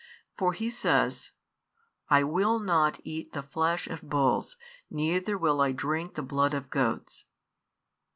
For He says: I will not eat the flesh of hulls, neither will I drink the blood of goats.